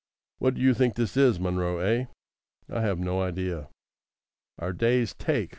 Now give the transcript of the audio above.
"What d'ye think this is, Munro? Eh?" "I have no idea." "Our day's take.